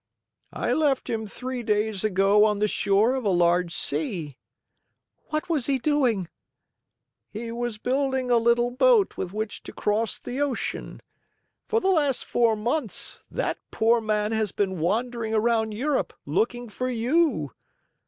"I left him three days ago on the shore of a large sea." "What was he doing?" "He was building a little boat with which to cross the ocean. For the last four months, that poor man has been wandering around Europe, looking for you.